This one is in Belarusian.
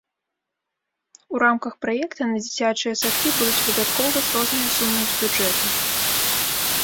У рамках праекта на дзіцячыя садкі будуць выдаткоўваць розныя сумы з бюджэту.